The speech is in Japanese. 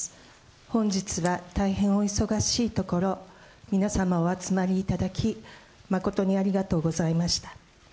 本日は大変お忙しいところ、皆様お集まりいただき、誠にありがとうございました。